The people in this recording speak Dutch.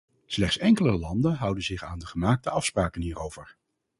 Slechts enkele landen houden zich aan de gemaakte afspraken hierover.